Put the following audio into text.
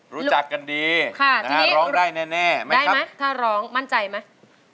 รู้จักกันดีร้องได้แน่ได้ไหมถ้าร้องมั่นใจไหม